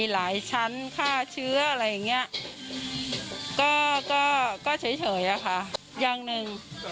หลายชั้นฆ่าเชื้ออะไรอย่างนี้ก็ก็เฉยอะค่ะอย่างหนึ่ง